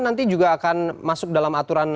nanti juga akan masuk dalam aturan